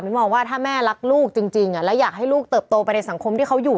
มองว่าถ้าแม่รักลูกจริงแล้วอยากให้ลูกเติบโตไปในสังคมที่เขาอยู่